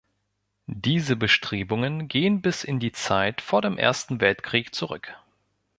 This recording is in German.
Diese Bestrebungen gehen bis in die Zeit vor dem Ersten Weltkrieg zurück.